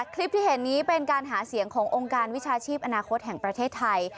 คลิปที่เห็นนี้เป็นการหาเสียงขององค์การวิชาชีพอนาคตแห่งประเทศไทย